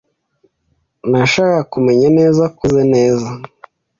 Nashakaga kumenya neza ko mumeze neza.